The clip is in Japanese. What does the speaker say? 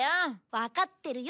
わかってるよ。